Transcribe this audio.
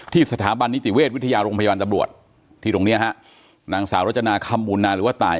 สถาบันนิติเวชวิทยาโรงพยาบาลตำรวจที่ตรงเนี้ยฮะนางสาวรจนาคำมูลนาหรือว่าตาย